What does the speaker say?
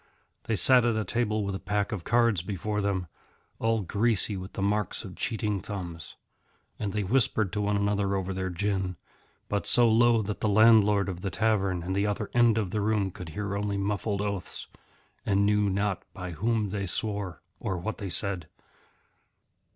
They sat at a table with a pack of cards before them, all greasy with the marks of cheating thumbs. And they whispered to one another over their gin, but so low that the landlord of the tavern at the other end of the room could hear only muffled oaths, and knew not by Whom they swore or what they said.